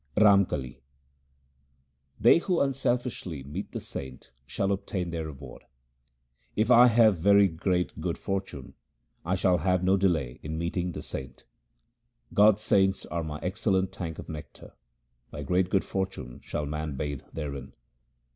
Ramkali They who unselfishly meet the saint shall obtain their reward :— If I have very great good fortune I shall have no delay in meeting the saint. God's saints are my excellent tank of nectar : by great good fortune shall man bathe therein.